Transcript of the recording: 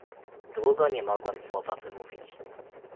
"Długo nie mogłem słowa wymówić."